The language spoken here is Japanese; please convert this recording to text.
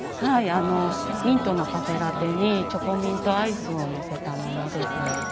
あのミントのカフェラテにチョコミントアイスを載せたものです。